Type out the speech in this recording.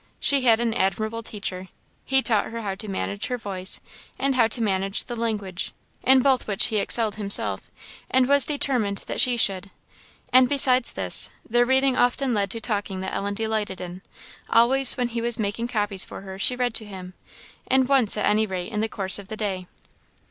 She had an admirable teacher. He taught her how to manage her voice, and how to manage the language, in both which he excelled himself, and was determined that she should; and, besides this, their reading often led to talking that Ellen delighted in. Always when he was making copies for her she read to him, and once at any rate in the course of the day.